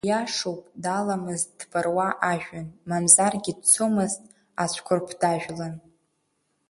Иашоуп даламызт дԥыруа ажәҩан, мамзаргьы дцомызт ацәқәырԥ дажәлан.